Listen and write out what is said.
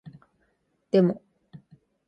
でも